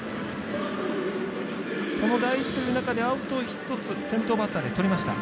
その大事という中でアウト一つ先頭バッターでとりました。